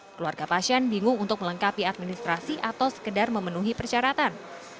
keluarga pasien bingung untuk melengkapi administrasi atau sekedar memenuhi persyaratan